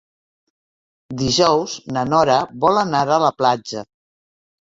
Dijous na Nora vol anar a la platja.